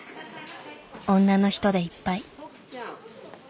女の人でいっぱい。